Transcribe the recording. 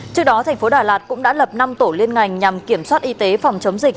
trước đó thành phố đà lạt cũng đã lập năm tổ liên ngành nhằm kiểm soát y tế phòng chống dịch